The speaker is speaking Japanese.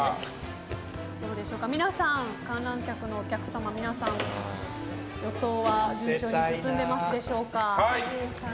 皆さん、観覧客のお客様予想は順調に進んでますでしょうか。